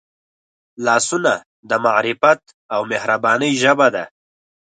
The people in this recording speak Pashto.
لاسونه د معرفت او مهربانۍ ژبه ده